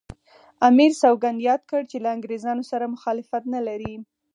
امیر سوګند یاد کړ چې له انګریزانو سره مخالفت نه لري.